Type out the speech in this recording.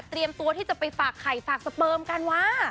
ตัวที่จะไปฝากไข่ฝากสเปิมกันวะ